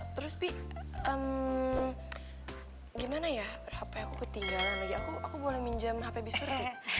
terus bibi gimana ya hp aku ketinggalan lagi aku boleh minjem hp b surti